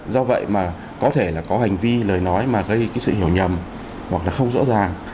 do vậy mà có thể là có hành vi lời nói mà gây cái sự hiểu nhầm hoặc là không rõ ràng